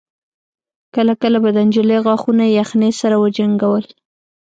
کله کله به د نجلۍ غاښونه يخنۍ سره وجنګول.